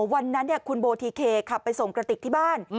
วันนั้นคุณโบทีเคขับไปส่งกระติกที่บ้าน